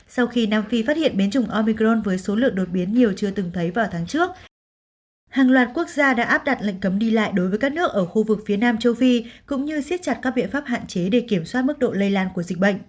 sau khi nam phi phát hiện biến chủng omicron với số lượng đột biến nhiều chưa từng thấy vào tháng trước hàng loạt quốc gia đã áp đặt lệnh cấm đi lại đối với các nước ở khu vực phía nam châu phi cũng như siết chặt các biện pháp hạn chế để kiểm soát mức độ lây lan của dịch bệnh